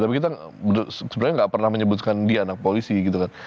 tapi kita sebenarnya nggak pernah menyebutkan dia anak polisi gitu kan